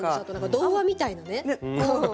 童話みたいなね感じ。